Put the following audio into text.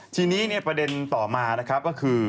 ทีนี้ประเด็นต่อมาก็คือ